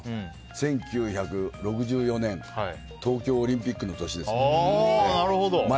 １９６４年東京オリンピックの年ですよ。